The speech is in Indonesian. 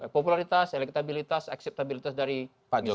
popularitas elektabilitas acceptabilitas dari pak jokowi